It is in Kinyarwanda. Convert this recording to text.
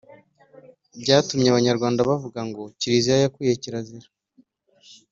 byatumye abanyarwanda bavuga ngo kiriziya yakuye kirazira